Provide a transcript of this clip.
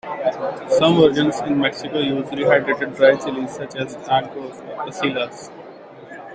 Some versions in Mexico use rehydrated dry chiles such as anchos or pasillas.